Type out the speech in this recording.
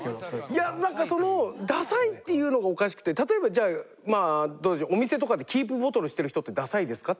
いやなんかそのダサいっていうのがおかしくて例えばじゃあまあどうでしょうお店とかでキープボトルしてる人ってダサいですか？